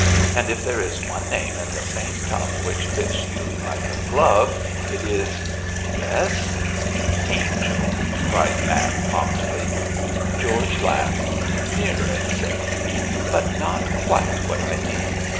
and if there is one name in the same tongue which fits you like a glove, it is guess!' 'Angel!' cried Mab, promptly. George laughed. 'Near it,' said he, 'but not quite what I mean.